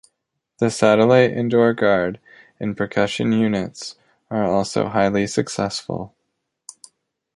The satellite indoor guard and percussion units are also highly successful.